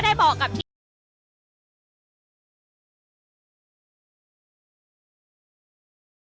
อาจจะออกมาใช้สิทธิ์กันแล้วก็จะอยู่ยาวถึงในข้ามคืนนี้เลยนะคะ